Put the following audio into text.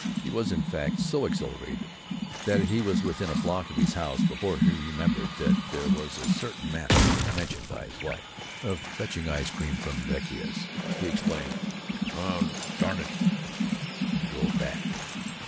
He was, in fact, so exhilarated that he was within a block of his house before he remembered that there was a certain matter, mentioned by his wife, of fetching ice cream from Vecchia's. He explained, "Well, darn it " and drove back.